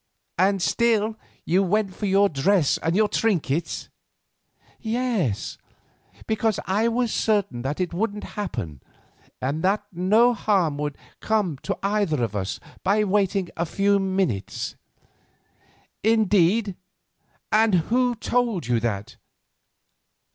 "And still you went for your dress and your trinkets?" "Yes, because I was certain that it wouldn't happen and that no harm would come to either of us by waiting a few minutes." "Indeed, and who told you that?"